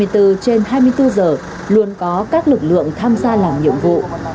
hai mươi bốn trên hai mươi bốn giờ luôn có các lực lượng tham gia làm nhiệm vụ